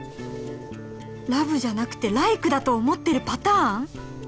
ラブじゃなくてライクだと思ってるパターン？